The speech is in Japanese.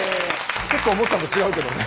ちょっと思ったのと違うけどね。